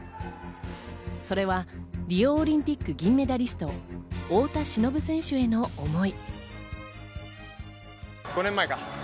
それはリオオリンピック銀メダリスト、太田忍選手への思い。